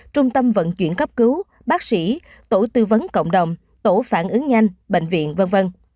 trung tâm vận chuyển cấp cứu bác sĩ tổ tư vấn cộng đồng tổ phản ứng nhanh bệnh viện v v